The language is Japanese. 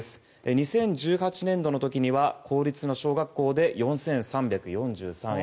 ２０１８年度の時には公立の小学校で４３４３円。